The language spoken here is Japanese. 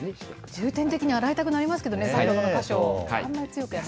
重点的に洗いたくなりますけどね、汗をかく箇所を。